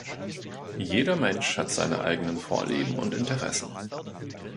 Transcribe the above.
Jeder Mensch hat seine eigenen Vorlieben und Interessen.